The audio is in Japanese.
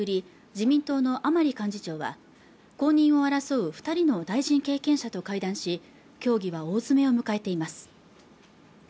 自民党の甘利幹事長は公認を争う二人の大臣経験者と会談し協議は大詰めを迎えています